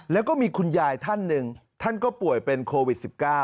แล้วก็มีคุณยายท่านหนึ่งท่านก็ป่วยเป็นโควิด๑๙